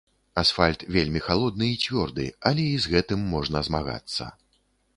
Асфальт вельмі халодны і цвёрды, але і з гэтым можна змагацца.